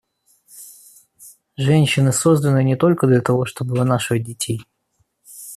Женщины созданы не только для того, чтобы вынашивать детей.